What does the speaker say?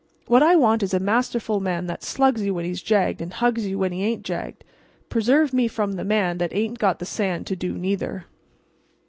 What I want is a masterful man that slugs you when he's jagged and hugs you when he ain't jagged. Preserve me from the man that ain't got the sand to do neither!"